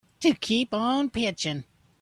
To keep on pitching.